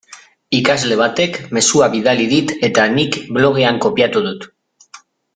Ikasle batek mezua bidali dit eta nik blogean kopiatu dut.